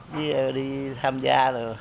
chứ đi tham gia